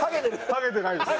ハゲてないです。